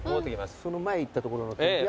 その前行ったところの豆腐屋？